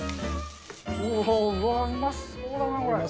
うまそうだな、これ。